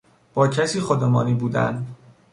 با کسی خودمانی بودن